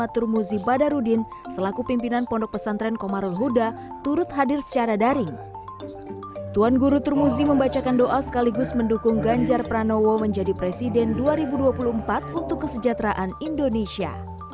terus mendukung ganjar pranowo menjadi presiden dua ribu dua puluh empat untuk kesejahteraan indonesia